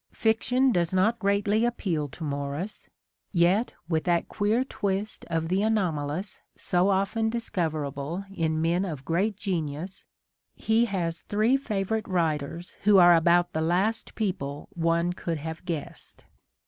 Fiction does not greatly appeal to Morris : yet, with that queer twist of the anomalous so often discoverable in men of great A DAY WITH WILLIAM MORRIS. genius, he has three favourite writers who are about the last people one could have guessed.